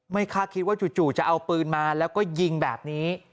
คาดคิดว่าจู่จะเอาปืนมาแล้วก็ยิงแบบนี้